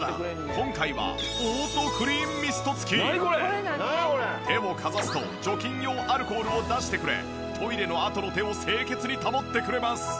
今回は手をかざすと除菌用アルコールを出してくれトイレのあとの手を清潔に保ってくれます。